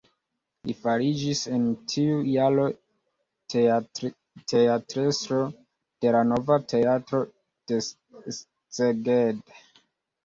Li fariĝis en tiu jaro teatrestro de la nova teatro de Szeged.